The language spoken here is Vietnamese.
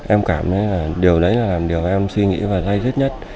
em cảm thấy điều đấy là điều em suy nghĩ và giải thích nhất